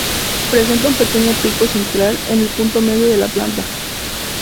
Presenta un pequeño pico central en el punto medio de la planta.